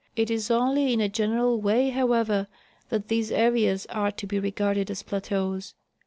It is only in a general way, however, that these areas are to be regarded as plateaus.